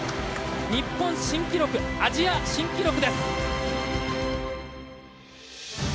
日本新記録アジア新記録です！